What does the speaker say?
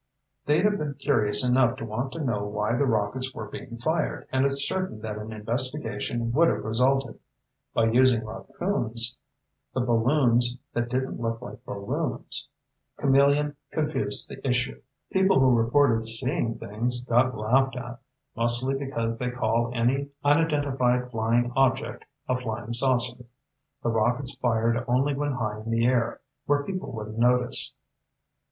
They'd have been curious enough to want to know why the rockets were being fired, and it's certain that an investigation would have resulted. By using rockoons, with balloons that didn't look like balloons, Camillion confused the issue. People who reported seeing things got laughed at, mostly because they call any unidentified flying object a flying saucer. The rockets fired only when high in the air, where people wouldn't notice."